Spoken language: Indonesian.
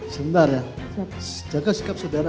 sendar ya jaga sikap saudara ya